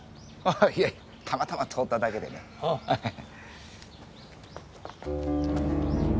ああいやいやたまたま通っただけでね。ああ。ハハハ。